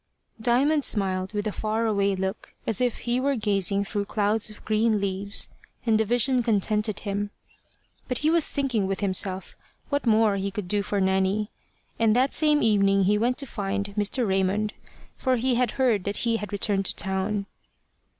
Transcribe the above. Diamond smiled with a far away look, as if he were gazing through clouds of green leaves and the vision contented him. But he was thinking with himself what more he could do for Nanny; and that same evening he went to find Mr. Raymond, for he had heard that he had returned to town.